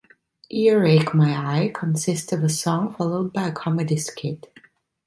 "Earache My Eye" consists of a song, followed by a comedy skit.